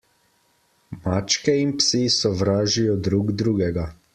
Mačke in psi sovražijo drug drugega.